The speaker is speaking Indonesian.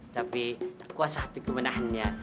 tapi aku asah hatiku menahannya